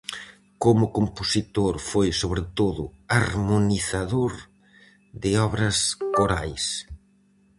Como compositor foi sobre todo harmonizador de obras corais.